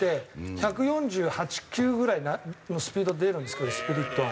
１４８１４９ぐらいのスピード出るんですけどスプリットは。